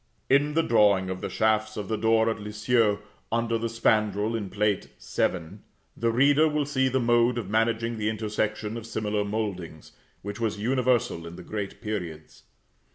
In the drawing of the shafts of the door at Lisieux, under the spandril, in Plate VII., the reader will see the mode of managing the intersection of similar mouldings, which was universal in the great periods.